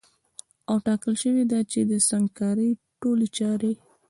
او ټاکل سوې ده چي د سنګکارۍ ټولي چاري